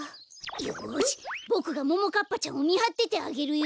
よしボクがももかっぱちゃんをみはっててあげるよ。